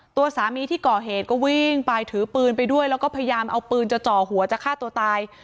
ตัวสามีที่ก่อเหตุก็วิ่งไปถือปืนไปด้วยแล้วก็พยายามเอาปืนจะจ่อหัวจะฆ่าตัวตาย